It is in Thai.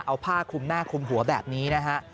เอาผ้าคลุมหน้าคุมหัวแบบนี้นะฮะ